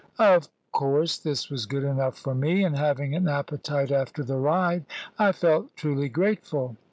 Of course this was good enough for me; and having an appetite after the ride, I felt truly grateful.